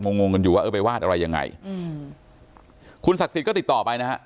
งงกันอยู่ว่าเออไปวาดอะไรยังไงอืมคุณศักดิ์สิทธิ์ก็ติดต่อไปนะฮะ